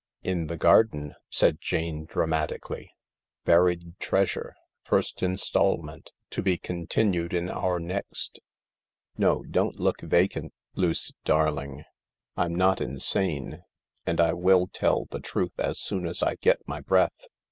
"In the garden/' said Jane dramatically; "buried THE LARK 48 treasure — first instalment, to be continued in our next. No, don't look vacant, Luce darling. I'm not insane, and I will tell the truth as soon as I get my breath.